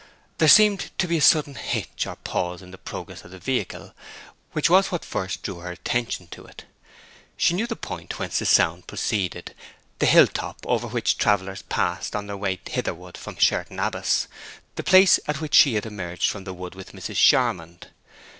There seemed to be a sudden hitch or pause in the progress of the vehicle, which was what first drew her attention to it. She knew the point whence the sound proceeded—the hill top over which travellers passed on their way hitherward from Sherton Abbas—the place at which she had emerged from the wood with Mrs. Charmond.